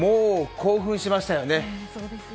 興奮しましたよね。